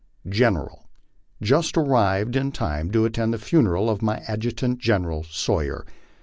GENERAL : Just arrived in time to attend the funeral of my Adjutant General, Sawyer.